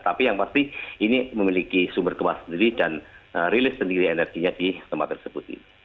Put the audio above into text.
tapi yang pasti ini memiliki sumber gempa sendiri dan rilis sendiri energinya di tempat tersebut